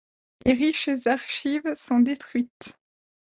Les riches archives sont détruites.